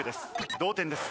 同点です。